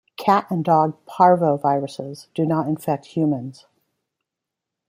Cat and dog parvoviruses do not infect humans.